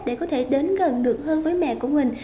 để có thể đến gần được hơn với mẹ của mình